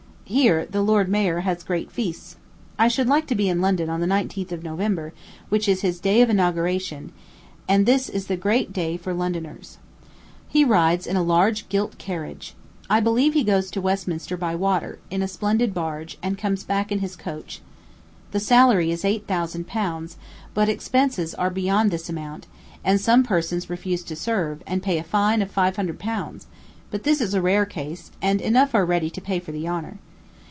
Here the lord mayor has his great feasts. I should like to be in London on the 9th of November, which is his day of inauguration; and this is the great day for Londoners. He rides in a large carved gilt carriage. I believe he goes to Westminster by water, in a splendid barge, and comes back in his coach. The salary is eight thousand pounds; but the expenses are beyond this amount, and some persons refuse to serve, and pay a fine of five hundred pounds; but this is a rare case, and enough are ready to pay for the honor.